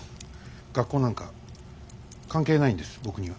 学校なんか関係ないんです僕には。